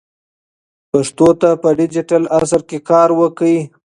پښتو ته په ډیجیټل عصر کې کار وکړئ.